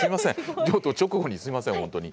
直後にすいません本当に。